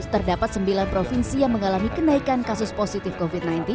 terdapat sembilan provinsi yang mengalami kenaikan kasus positif covid sembilan belas